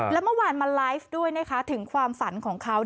แล้วเมื่อวานมาไลฟ์ด้วยนะคะถึงความฝันของเขา